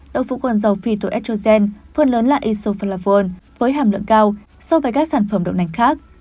đậu phụ còn giàu phytoestrogen phần lớn là isoflavone với hàm lượng cao so với các sản phẩm đậu nành khác